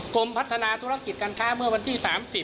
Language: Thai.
กรมพัฒนาธุรกิจการค้าเมื่อวันที่๓๐